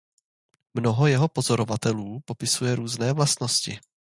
Mnoho jeho pozorovatelů popisuje různé vlastnosti.